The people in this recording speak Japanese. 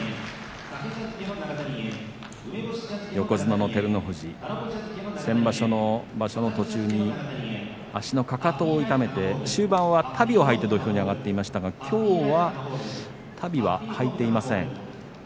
横綱の照ノ富士、先場所の途中に足のかかとを痛めて終盤は足袋を履いて土俵に上がっていましたがきょうは足袋は履いていません。